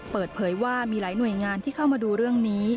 เปิดเผยว่ามีหลายหน่วยงานที่เข้ามาดูเรื่องนี้